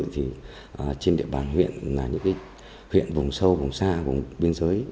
thì trên địa bàn huyện là những huyện vùng sâu vùng xa vùng biên giới